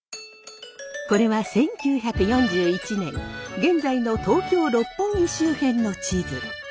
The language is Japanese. これは１９４１年現在の東京・六本木周辺の地図。